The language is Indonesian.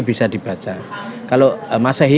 bisa dibaca kalau masahi